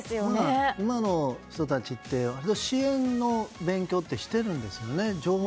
今の人たちって割と勉強しているんですよね。